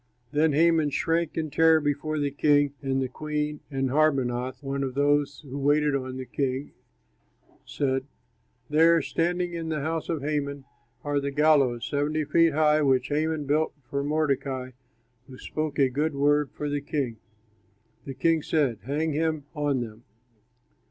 Then Haman shrank in terror before the king and the queen, and Harbonah, one of those who waited on the king, said, "There, standing in the house of Haman, are the gallows, seventy five feet high, which Haman built for Mordecai, who spoke a good word for the king." The king said, "Hang him on them."